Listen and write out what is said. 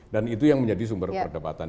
dan itu yang menjadi sumber perdapatan